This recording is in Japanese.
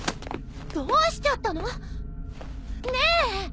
どうしちゃったの？ねぇ！